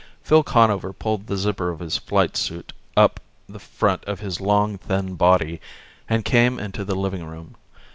_ Phil Conover pulled the zipper of his flight suit up the front of his long, thin body and came into the living room.